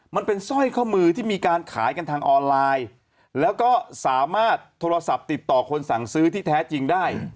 มันเป็นสร้อยข้อมือที่มีการขายกันทางออนไลน์แล้วก็สามารถโทรศัพท์ติดต่อคนสั่งซื้อที่แท้จริงได้